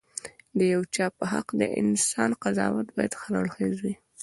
د یو چا په حق د انسان قضاوت باید هراړخيزه وي.